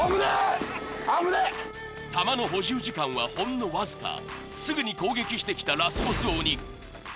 弾の補充時間はほんのわずかすぐに攻撃してきたラスボス鬼